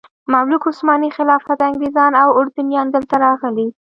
مملوک، عثماني خلافت، انګریزان او اردنیان دلته راغلي.